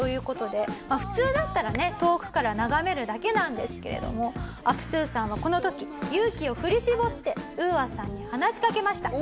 普通だったらね遠くから眺めるだけなんですけれどもアプスーさんはこの時勇気を振り絞ってＵＡさんに話しかけました。